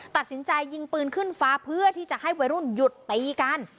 ตัดสินใจยิงปืนขึ้นฟ้าเพื่อที่จะให้วัยรุ่นหยุดตีกัน